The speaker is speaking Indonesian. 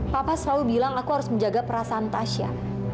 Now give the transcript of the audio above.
papa selalu bilang aku harus menjaga perasaan tasya